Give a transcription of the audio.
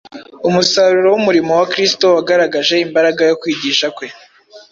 umusaruro w’umurimo wa Kristo wagaragaje imbaraga yo kwigisha kwe.